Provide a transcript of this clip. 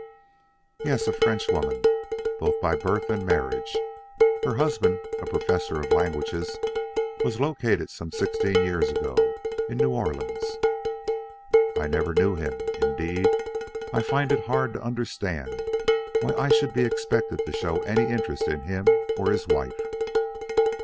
"Yes; a Frenchwoman, both by birth and marriage. Her husband, a professor of languages, was located some sixteen years ago, in New Orleans." "I never knew him. Indeed, I find it hard to understand why I should be expected to show any interest in him or his wife."